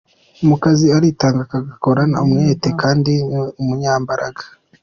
Mu kazi aritanga akagakorana umwete kandi ni umunyembaraga.